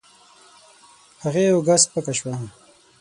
هغې اوږه سپکه شوه.